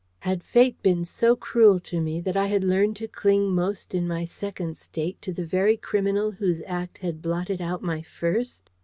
Had Fate been so cruel to me, that I had learned to cling most in my Second State to the very criminal whose act had blotted out my First?